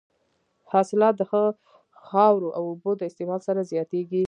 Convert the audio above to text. حاصلات د ښه خاورو او اوبو د استعمال سره زیاتېږي.